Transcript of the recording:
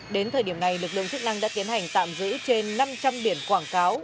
đến thời điểm này lực lượng chức năng đã tiến hành tạm giữ trên năm trăm linh biển quảng cáo